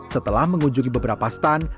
setelah mengunjungi beberapa stun